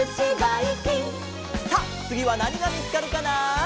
さあつぎはなにがみつかるかな？